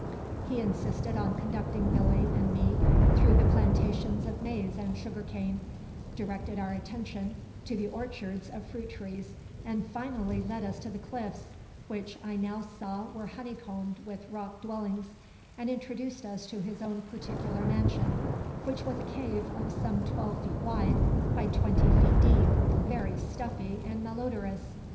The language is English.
He insisted on conducting Billy and me through the plantations of maize and sugar cane, directed our attention to the orchards of fruit trees, and finally led us to the cliffs, which I now saw were honeycombed with rock dwellings, and introduced us to his own particular mansion, which was a cave of some twelve feet wide by twenty feet deep, very stuffy and malodorous.